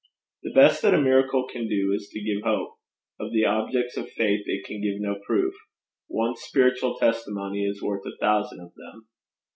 The best that a miracle can do is to give hope; of the objects of faith it can give no proof; one spiritual testimony is worth a thousand of them.